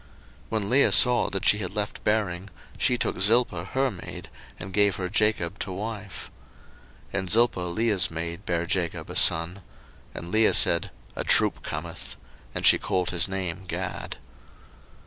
01:030:009 When Leah saw that she had left bearing, she took Zilpah her maid, and gave her Jacob to wife. 01:030:010 And Zilpah Leah's maid bare Jacob a son. 01:030:011 And Leah said, A troop cometh: and she called his name Gad.